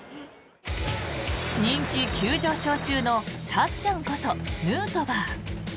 人気急上昇中のたっちゃんことヌートバー。